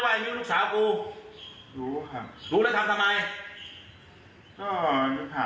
มึงใช้ทีนี้สอบไหม